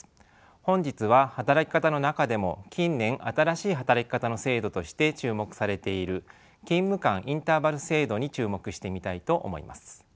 本日は働き方の中でも近年新しい働き方の制度として注目されている勤務間インターバル制度に注目してみたいと思います。